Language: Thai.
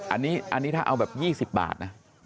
อันนี้ถ้าเอาแบบ๒๐บาทนะ